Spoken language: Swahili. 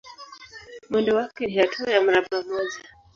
Mwendo wake ni hatua ya mraba mmoja.